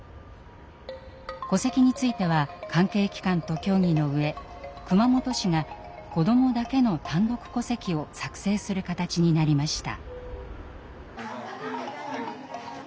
戸籍については関係機関と協議の上熊本市が子どもだけの「単独戸籍」を作成する形になりました。